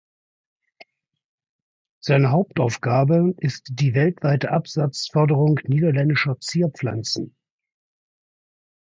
Seine Hauptaufgabe ist die weltweite Absatzförderung niederländischer Zierpflanzen.